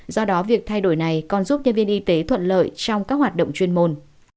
do đó việc thay đổi này còn giúp nhân viên y tế thuận lợi trong các hoạt động chuyên môn